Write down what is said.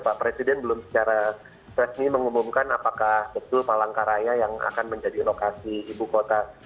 pak presiden belum secara resmi mengumumkan apakah betul palangkaraya yang akan menjadi lokasi ibu kota